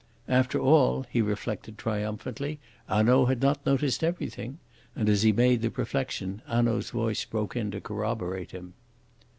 After all, he reflected triumphantly, Hanaud had not noticed everything, and as he made the reflection Hanaud's voice broke in to corroborate him.